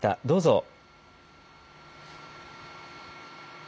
どうぞ。